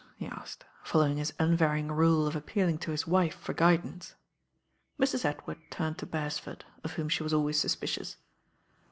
he aiked, fol towing hit unvarying rule of appealing to hit wife for guidance. Mrt. Edward turned to Beretford, of whom the wat alwayt tutpiciout.